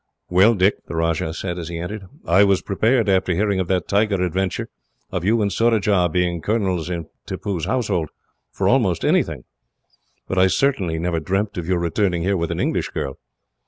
"Well, Dick," the Rajah said, as he entered, "I was prepared, after hearing of that tiger adventure, and of you and Surajah being colonels in Tippoo's household, for almost anything; but I certainly never dreamt of your returning here with an English girl."